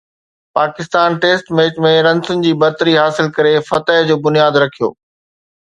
Pakistan test match ۾ رنسن جي برتري حاصل ڪري فتح جو بنياد رکيو